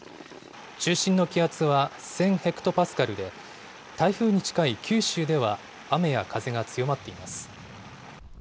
中心の気圧は１０００ヘクトパスカルで、台風に近い九州では雨や風が強まっています。